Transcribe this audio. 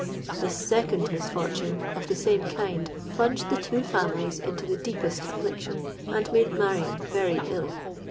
"This second misfortune, of the same kind, plunged the two families into the deepest affliction, and made Marion very ill.